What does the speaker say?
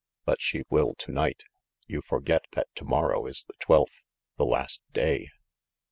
"But she will to night. You forget that to morrow is the twelfth, the last day."